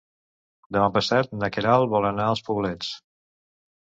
Demà passat na Queralt vol anar als Poblets.